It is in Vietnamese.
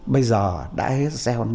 bây giờ đã hết gieo neo